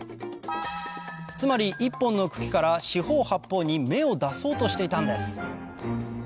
つまり１本の茎から四方八方に芽を出そうとしていたんです